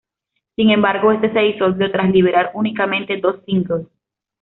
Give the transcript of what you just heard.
Sin embargo este se disolvió tras liberar, únicamente dos "singles".